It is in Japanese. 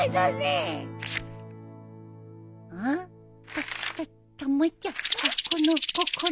たたたまちゃんこのこの写真。